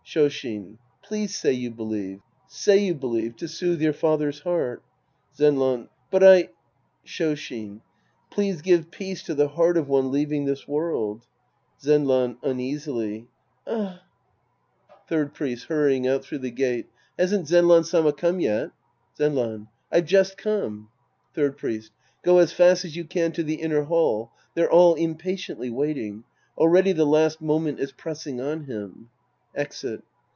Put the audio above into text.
Shoshin. Please say you believe. Say you believe. To soothe your father's heart. Zenran. But I — Shoshin. Please give peace to the heart of one leaving this world. Ztnran {uneasily). Eh, 238 The Priest and His Disciples Act VI Third Priest {hurrying out through the gate). Hasn't Zenran Sama come yet ? Zenran. I've just come. Third Priest. Go as fast as you can to the inner hall. They're all impatiently waiting. Already the last moment is pressing on laim. {Exit.)